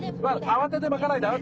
慌てて巻かないで。